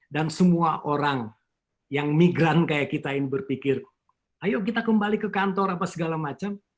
dan semua orang yang migran seperti kita berpikir ayo kita kembali ke kantor apa segala macam